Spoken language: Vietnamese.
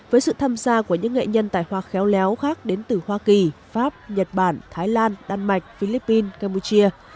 với sự tham gia của những nghệ nhân tài hoa khéo léo khác đến từ hoa kỳ pháp nhật bản thái lan đan mạch philippines campuchia